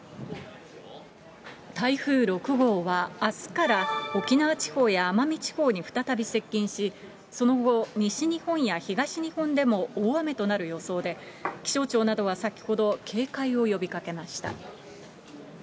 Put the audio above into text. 台風６号はあすから沖縄地方や奄美地方に再び接近し、その後、西日本や東日本でも大雨となる予想で、気象庁などは先ほど、警戒を呼びかけました。